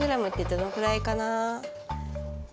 どのぐらいかな？